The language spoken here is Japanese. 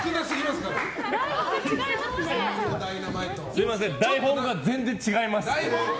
すみません台本が全然違います。